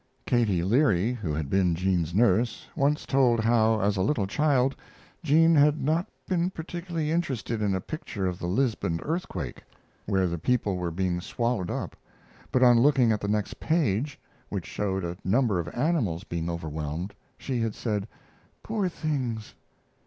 Katie Leary, who had been Jean's nurse, once told how, as a little child, Jean had not been particularly interested in a picture of the Lisbon earthquake, where the people were being swallowed up; but on looking at the next page, which showed a number of animals being overwhelmed, she had said: "Poor things!"